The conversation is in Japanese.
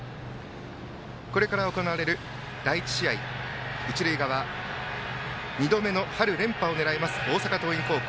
これから行われる第１試合一塁側は２度目の春連覇を狙います大阪桐蔭高校。